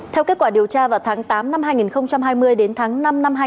theo kết quả điều tra vào tháng tám năm hai nghìn hai mươi đến tháng năm năm hai nghìn